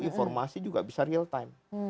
informasi juga bisa real time